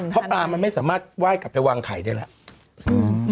เพราะปลามันไม่สามารถไหว้กลับไปวางไข่ได้แล้ว